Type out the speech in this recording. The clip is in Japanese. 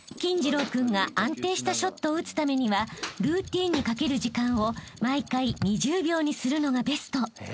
金次郎君が安定したショットを打つためにはルーティンにかける時間を毎回２０秒にするのがベスト］